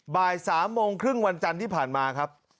บ่าย๓โมงครึ่งวันจันทร์ที่ผ่านมาครับ